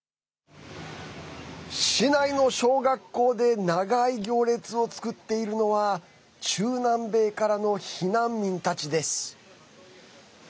市内の小学校で長い行列を作っているのは中南米からの避難民たちです。